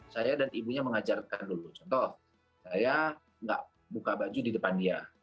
saya dan ibunya mengajarkan dulu contoh saya nggak buka baju di depan dia